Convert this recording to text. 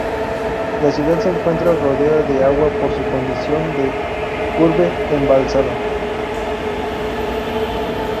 La ciudad se encuentra rodeada de agua por su condición de urbe embalsada.